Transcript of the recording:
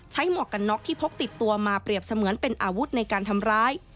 หมวกกันน็อกที่พกติดตัวมาเปรียบเสมือนเป็นอาวุธในการทำร้าย